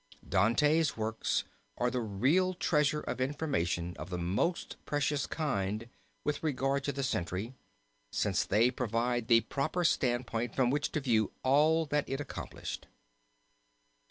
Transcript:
Dante's works are the real treasury of information of the most precious kind with regard to the century, since they provide the proper standpoint from which to view all that it accomplished.